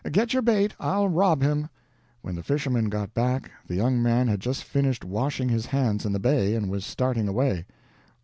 Get your bait. I'll rob him." When the fisherman got back the young man had just finished washing his hands in the bay, and was starting away.